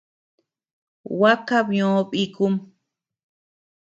Gua kabiö bikum.